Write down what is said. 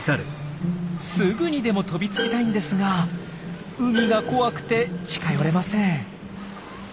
すぐにでも飛びつきたいんですが海が怖くて近寄れません。